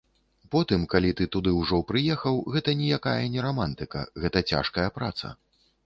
Потым, калі ты туды ўжо прыехаў, гэта ніякая не рамантыка, гэта цяжкая праца!